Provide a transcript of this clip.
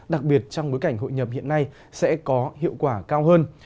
đặc biệt trong bối cảnh hội nhập hiện nay sẽ có hiệu quả cao hơn